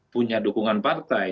punya dukungan partai